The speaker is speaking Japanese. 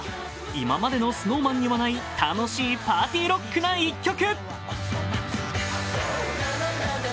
今までのＳｎｏｗＭａｎにはない楽しいパーティーロックな１曲。